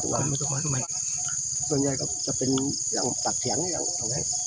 ร่วมได้ครับจะเป็นอย่างปากเสียงอย่างอะไร